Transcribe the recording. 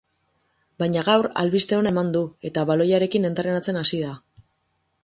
Baina gaur albiste ona eman du, eta baloiarekin entrenatzen hasi da.